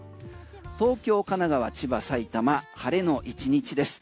東京、神奈川、千葉、埼玉晴れの１日です。